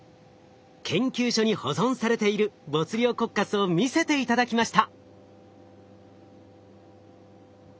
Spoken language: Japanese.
研究所に保存されているボツリオコッカスを見せて頂きました。